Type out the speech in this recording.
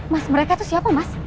mas mereka itu siapa mas